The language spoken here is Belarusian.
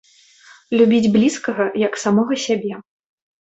Любіць блізкага, як самога сябе.